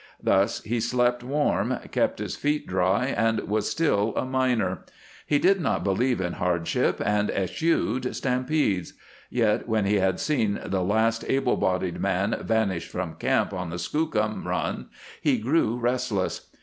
Thus he slept warm, kept his feet dry, and was still a miner. He did not believe in hardship, and eschewed stampedes. Yet when he had seen the last able bodied man vanish from camp on the Skookum run he grew restless.